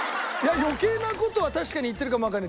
余計な事は確かに言ってるかもわかんない。